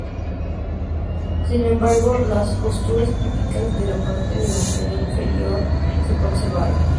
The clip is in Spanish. Sin embargo, las costuras típicas de la parte delantera inferior se conservaron.